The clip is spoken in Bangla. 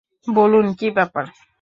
বলুন কী ব্যাপার?